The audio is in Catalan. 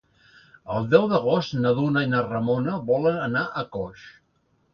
El deu d'agost na Duna i na Ramona volen anar a Coix.